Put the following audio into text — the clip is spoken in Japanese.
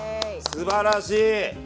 すばらしい！